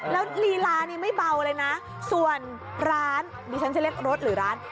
แล้วลีลานี่ไม่เบาเลยนะส่วนร้านดิฉันจะเรียกรถหรือร้าน